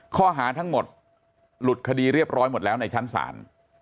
ข้อหาทั้งหมดหลุดคดีเรียบร้อยหมดแล้วในชั้นศาล